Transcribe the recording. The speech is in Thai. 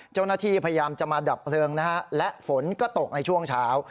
เจ้าหน้าที่พยายามจะมาดับเพลิงนะฮะและฝนก็ตกในช่วงเช้า